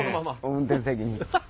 運転席に。